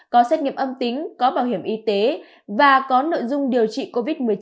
có xét nghiệm âm tính có bảo hiểm y tế và có nội dung điều trị covid một mươi chín